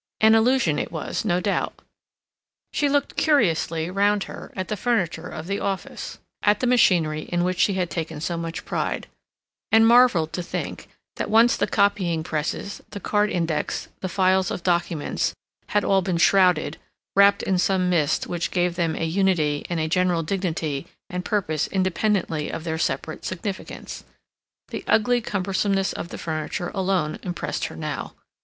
An illusion it was, no doubt. She looked curiously round her at the furniture of the office, at the machinery in which she had taken so much pride, and marveled to think that once the copying presses, the card index, the files of documents, had all been shrouded, wrapped in some mist which gave them a unity and a general dignity and purpose independently of their separate significance. The ugly cumbersomeness of the furniture alone impressed her now.